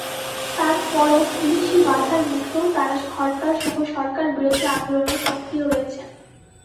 তার পরও পুলিশি বাধার মুখেও তাঁরা হরতালসহ সরকারবিরোধী আন্দোলনে সক্রিয় রয়েছেন।